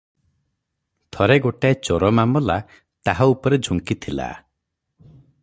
ଥରେ ଗୋଟାଏ ଚୋର ମାମଲା ତାହା ଉପରେ ଝୁଙ୍କିଥିଲା ।